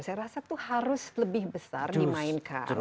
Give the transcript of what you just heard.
saya rasa itu harus lebih besar dimainkan